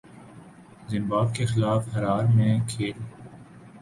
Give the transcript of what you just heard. زمباب کے خلاف ہرار میں کھیل